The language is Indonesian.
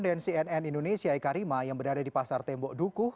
dan cnn indonesia eka rima yang berada di pasar tembok dukuh